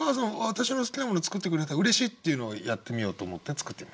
私の好きなものを作ってくれた嬉しい」っていうのをやってみようと思って作ってみました。